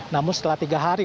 namun setelah tiga hari